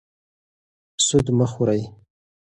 سود مه خورئ.